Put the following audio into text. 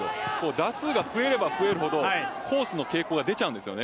打数が増えれば増えるほどコースの傾向が出ちゃうんですよね。